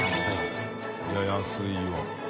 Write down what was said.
い安いわ。